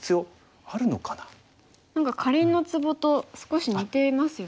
何かかりんのツボと少し似ていますよね